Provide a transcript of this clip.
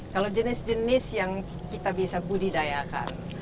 kalau jenis jenis yang kita bisa budidayakan